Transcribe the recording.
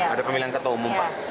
ada pemilihan ketua umum pak